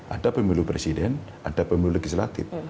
ada pemilu presiden ada pemilu legislatif